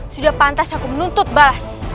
sudah pantas hakim menuntut balas